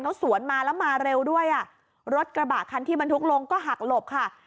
แล้วสวนมาแล้วมาเร็วด้วยอ่ะรถกระบะคันที่บรรทุกลงก็หักหลบค่ะ